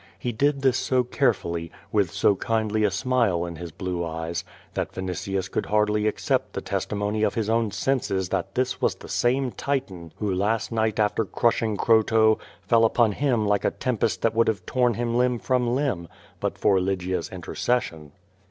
He did this so carefully, with so kindly a smile in liis blue eyes, that Vinitius could hardly accept the testimony of his own senses that this was the same Titan who last night after crushing Croto fell upon him like a tempest that would have torn him limb from limb but for Lygia's intercession.